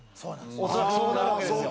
恐らくそうなるわけですよ。